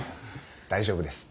大丈夫です。